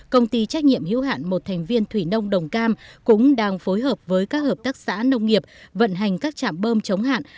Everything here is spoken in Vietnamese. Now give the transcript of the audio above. công ty trách nhiệm hữu hạn một thành viên thủy nông đồng cam cũng đang phối hợp với các hợp tác xã nông nghiệp vận hành các trạm bơm chống hạn